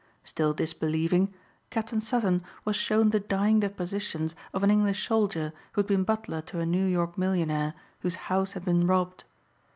Still disbelieving, Captain Sutton was shown the dying depositions of an English soldier who had been butler to a New York millionaire whose house had been robbed.